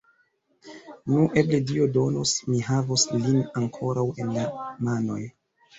Nu, eble Dio donos, mi havos lin ankoraŭ en la manoj!